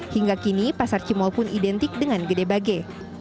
hingga kini pasar cimol pun identik dengan gede bage